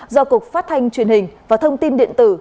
do cục phát thanh truyền hình và thông tin điện tử